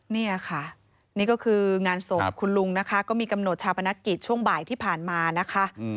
นี่ค่ะนี่ก็คืองานศพคุณลุงนะคะก็มีกำหนดชาปนกิจช่วงบ่ายที่ผ่านมานะคะ